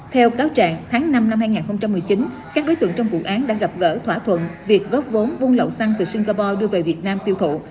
theo cáo trạng tháng năm năm hai nghìn một mươi chín các đối tượng trong vụ án đã gặp gỡ thỏa thuận việc góp vốn buôn lậu xăng từ singapore đưa về việt nam tiêu thụ